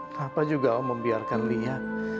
kenapa juga allah membiarkan lia